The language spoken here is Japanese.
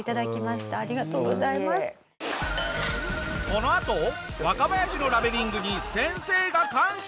このあと若林のラベリングに先生が感謝！